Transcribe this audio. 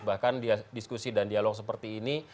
bahkan diskusi dan dialog seperti ini